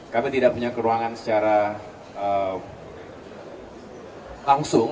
kami tidak punya keruangan secara langsung